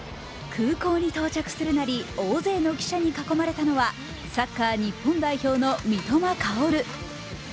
空港に到着するなり大勢の記者に囲まれたのはサッカー日本代表の三笘薫。